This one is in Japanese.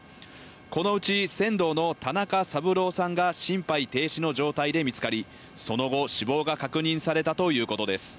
このうち船頭の田中三郎さんが心肺停止の状態で見つかり、その後死亡が確認されたということです。